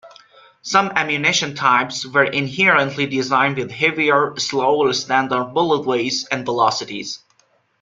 Some ammunition types were inherently designed with heavier, slower standard bullet weights and velocities.